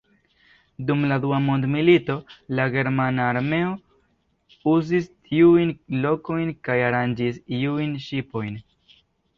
Dum la dua mondmilito, la germana armeo uzis tiujn lokojn kaj aranĝis iujn ŝipojn.